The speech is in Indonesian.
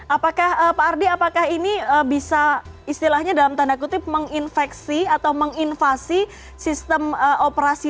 apakah pak ardi apakah ini bisa istilahnya dalam tanda kutip menginfeksi atau menginvasi sistem operasi